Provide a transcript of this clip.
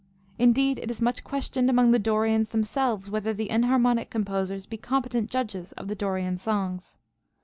Indeed it is much questioned among the Dorians them selves, whether the enharmonic composers be competent judges of the Dorian songs.